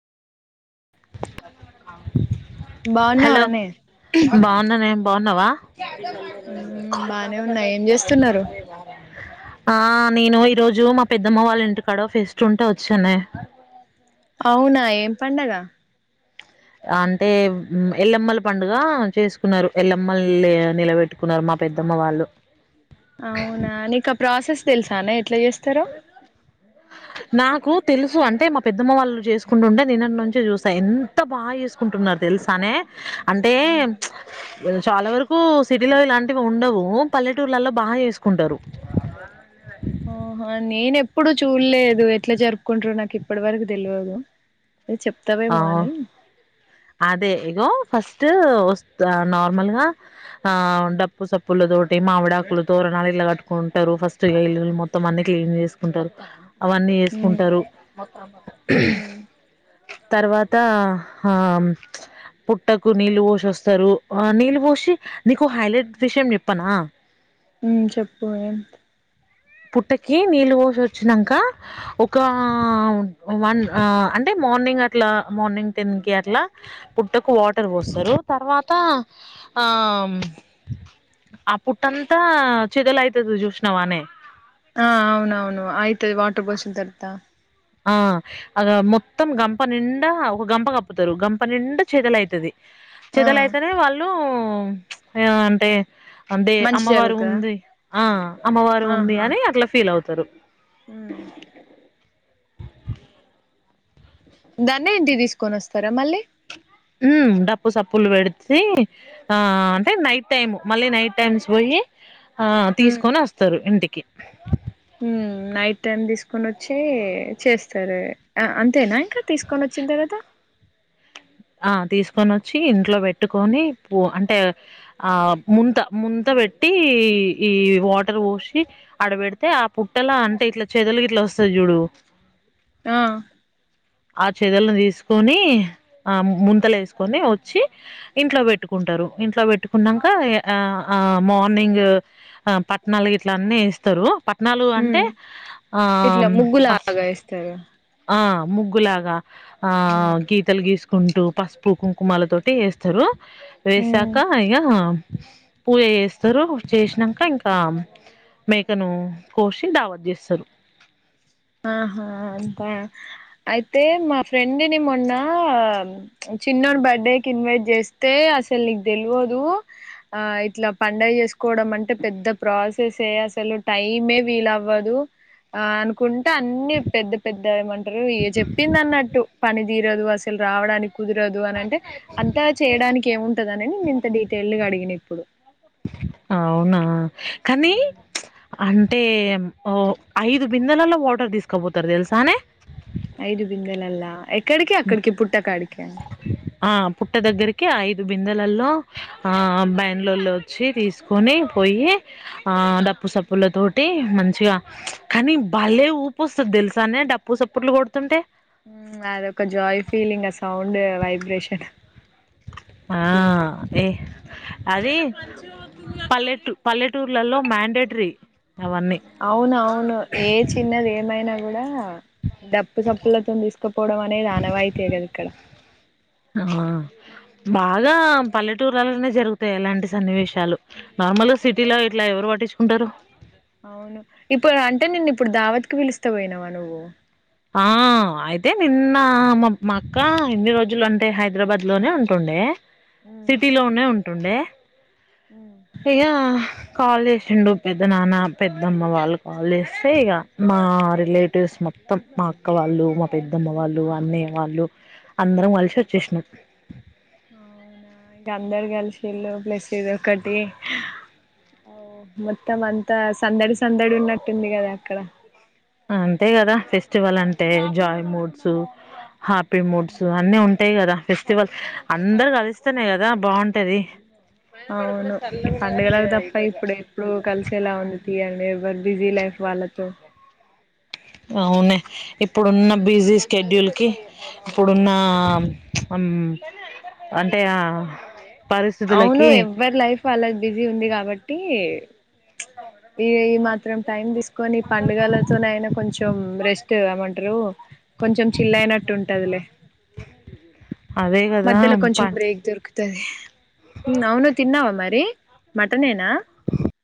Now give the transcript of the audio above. Hello బాగున్నావానే బాగున్నానే బాగున్నావా మ్మ్ బానే ఉన్నా ఏం చేస్తున్నారు ఆ నేను ఈ రోజు మా పెద్దమ్మ వాళ్ళ ఇంటికాడో ఓ ఫెస్ట్ ఉంటే వచ్చానే అవునా ఏం పండగ అంటే ఎల్లమ్మల పండుగ చేసుకున్నారు ఎల్లమ్మలు నిలబెట్టుకున్నారు మా పెద్దమ్మ వాళ్ళు అవునా నీకా ఆ ప్రాసెస్ తెలుసా నే ఎట్ల చేస్తారో నాకు తెలుసు అంటే మా పెద్దమ్మ వాళ్ళు చేసుకుంటుంటే నిన్నటి నుంచే చూసా ఎంత బాగా చేసుకుంటున్నారు తెలుసా నే అంటే అవునా చాలా వరకు సిటీలో ఇలాంటివి ఉండవు పల్లెటూర్లలో బా చేసుకుంటారు నేన్ ఎప్పుడుూ చూడలేదు ఎట్లా జరుపుకుంట్రారు నాకు ఇప్పటి వరకు తెల్వదు నువ్వు ఆ చెప్తావేమో అని అదే ఇగో ఫస్ స్ట్ వ స్తా నార్మల్ గా ఆ డప్పు సప్పుల తోటి మామిడాకులు తోరణాలు ఇలా కట్టుకుంటరు ఫస్ట్ ఇల్లులు మొత్తం అన్ని క్లీన్ చేసుకుంటరు అవన్నీ మ్మ్ చేసుకుంటారు మ్మ్ తర్వాత ఆ పుట్టకు నీళ్ళు పోష్ వస్తారు ఆ నీళ్ళ పోషి నీకు హైలైట్ విషయం చెప్పనా ఉమ్ చెప్పు ఏంత్ పుట్టకి నీళ్ళ పోసి వచ్చినాక ఒక వన్ అంటే మార్నింగ్ అట్లా మార్నింగ్ టెన్ కి అట్లా పుట్టకు వాటర్ పోస్తారు తర్వాత ఆ ఆ పుట్టంతా చిదలయుతది చూసినావానే ఆ అవునవును ఆయి తే వాటర్ బోషిన్ తరుతా ఆ అగా మొత్తం గంప నిండా ఒక గంప కప్పుతారు గంప నిండా చేదల్ అయితది ఆ చేదలయితేనే వాళ్ళు అ అంటే అంటే మంచి అమ్మవారు జరుగుతదా ఉంది ఆ అమ్మవారు ఉంది అని అట్లా ఫీల్ అవ్ తరు హు ఏ దాన్ని ఇంటి కి తీసుకొని వస్తారా మళ్ళీ మ్ డప్పు సప్పులు పెడితే ఆ అంటే నైట్ టైమ్ మళ్ళీ నైట్ టైమ్స్ పోయి ఆ మ్మ్ తీసుకొని వస్తారు ఇంటికి ఓకే హ్మ్ నైట్ టైం తీసుకొని వచ్చి చేస్తారు అంతేనా ఇంకా తీసుకొని వచ్చిన తర్వాతా ఆ తీసుకొని వచ్చి ఇంట్లో పెట్టుకొని పూ అంటే ఆ ముంత ముంత పెట్టి ఈ వాటర్ పోసి అడబెడితే ఆ పుట్టలా అంటే ఇట్లా చెదలుకి ఇట్లా వస్తది చూడు ఆ ఆ చేదులను తీసుకొని ఆ ముంతలు వేసుకొని వచ్చి ఇంట్లో పెట్టుకుంటారు ఇంట్లో పెట్టుకున్నాక ఆ ఆ మార్నింగ్ ఆ పట్టనాలు ఇట్లా అన్ని వేస్తారు పట్టనాాలు అంటే హ్మ్ ఆ ఇట్లా ముగ్గులాగా వేస్తారా ము ముగ్గు లాగా ఆ గీతలు గీసు కుంటూ పసుపు కుంకుమాల తోటి వేస్తారు హ్మ్ వేసాక య పూజ చేసి సరు చేసినాక ఇంకా మేకను కోసి దావత్ జేస్తారు ఆహా అంతా అయితే మా ఫ్రెండ్ని మొన్న చిన్నాన్న బర్త్డేకి ఇన్వైట్ చేస్తే అసలు నీకు తెల్వదు ఆ ఇట్లా పండగ చేసుకోవడం అంటే పెద్ద ప్రాసెస్సే అసలు టైమే వీల అవ్వదు ఆ అను కున్ అ అన్ని పెద్ద పెద్ద ఏమంటారు ఏ చెప్పింది అన్నట్టు పని తీరదు అసలు రావడానికి కుదరదు అని అంటే అంతా చేయడానికి కేవు ఉఃటదనే ఇంత డీటైల్ అడిగిన ఇప్పుడు అవునా కానీ అంటే ఓ ఐదు బిందెలలో వాటర్ తీసుకపోతారు తెలుసానే ఐదు బిందెలల్లా ఎక్కడికి అక్కడికి పుట్టకాడికా ఆ పుట్ట దగ్గరికి ఐదు బిందెలలో ఆ బయన్లలో వచ్చి తీసుకొని పోయి ఆ డప్పు సప్పుల తోటి మంచిగా కానీ భలే ఊపు వస్తది తెలుసానే డప్పు సప్పుటలు కొడుతుంటే అదొక జాయ్ ఫీలింగ్ అ సౌండ్ వైబ్రేషన్ ఆ అంట ఏ అది పల్లెటూ పల్లెటూర్లలో మేండేటరీ అవును అవును ఏ చిన్నది ఏమైనా కూడా డప్పు సప్పులతో తీసు పపోవడం అనేది అనవాయితీ కదే ఇక్కడ ఆ బాగా పల్లెటూర్లలోనే జరుగుతాయి ఇలాంటి సన్నివేశ్ చాలు నార్మల్ గా సీట్ తిల్లా ఇట్లా ఎవరు పట్టిచుకుంటారు అవును ఇప్పుడు అంటే నిన్ను ఇప్పుడు ధావతికి పిలుస్తే పోయినావా నువ్వు ఆ అయితే నిన్న మ మా అక్క ఇన్ని రోజులు అంటే హైదరాబాద్ లోనే ఉంటుండే. సిటీ లోనే ఉంటుండే మ్మ్ హిగా కాల్ చేసిండు పెద్ద నాన్న, పెద్దమ్మ వాళ్ళు కాల్ చేస్తే ఇగ మా రిలేటివ్స్ మొ త్తం మా అక్క వాళ్ళు, మా పెద్దమ్మ వాళ్ళు, అన్నయ్య వాళ్ళు అందరం కలిసి వచ్చేసినాం. అవునా ఇంకా అందరు కలిసిళ్లు ప్లస్ ఇది ఒకటి ఓ మొత్తం అంతా సందడి సందడి ఉన్నట్టుంది కదా అక్కడ. అంతే కదా ఫెస్టివల్ అంటే joy moods happy moods um. అన్ని ఉం టయి కదా ఫెస్టివల్ అందరు కలిస్తేనే కదా బాగుంటది అవును ఈ పండుగలకు తప్ప ఇప్పుడు ఎప్పుడు కలిసేలా ఉంది తీ అండి వ్వరి బిజీ లైఫ్ వాళ్ళతో అవునే ఇప్ ప్పుడున్న బిజీ స్కెడ్యూల్ కి ఇప్పుడున్న అం అంటే ఆ అవును పరిస్థితులకి ఎవ్వరి లైఫ్ వాళ్ళకు బిజీ ఉంది కాబ ట్టి ఇగ ఈ మాత్రం టైం తీసుకొని పండుగలతోనేయినా కొంచెం రెస్ట్ ఏమంటరు కొంచెం చిల్ల్ అయినట్టుంటదిలే అదే కదా ప్ప తది ఉమ్ అవును తిన్నావా మరి మటనే నా